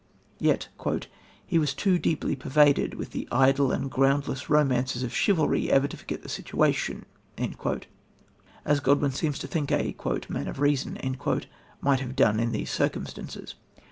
Yet "he was too deeply pervaded with the idle and groundless romances of chivalry ever to forget the situation" as Godwin seems to think a "man of reason" might have done in these circumstances.